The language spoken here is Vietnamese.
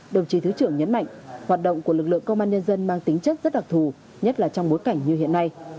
đồng chí thứ trưởng nhấn mạnh hoạt động của lực lượng công an nhân dân mang tính chất rất đặc thù nhất là trong bối cảnh như hiện nay